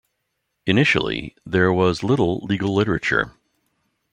Initially, there was little legal literature.